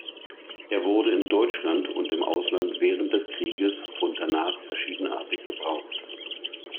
Er wurde in Deutschland und im Ausland während des Krieges und danach verschiedenartig gebraucht.